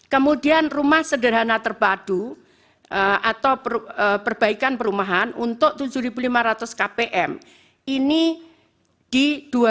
kemudian rumah sederhana terpadu atau perbaikan perumahan untuk tujuh lima ratus kpm ini di dua ribu dua puluh